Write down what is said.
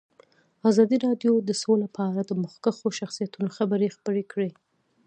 ازادي راډیو د سوله په اړه د مخکښو شخصیتونو خبرې خپرې کړي.